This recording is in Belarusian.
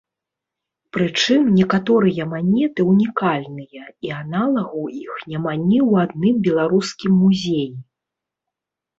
Прычым некаторыя манеты ўнікальныя і аналагаў іх няма ні ў адным беларускім музеі.